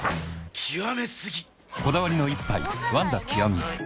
極め過ぎ！